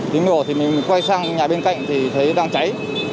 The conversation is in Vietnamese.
tiếng nổ thì mình quay sang nhà bên cạnh thì thấy đang cháy